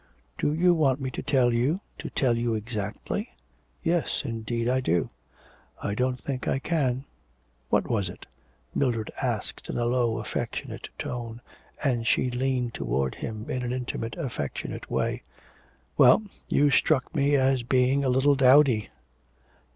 'Do you want me to tell you, to tell you exactly?' 'Yes, indeed I do.' 'I don't think I can.' 'What was it?' Mildred asked in a low affectionate tone, and she leaned towards him in an intimate affectionate way. 'Well you struck me as being a little dowdy.'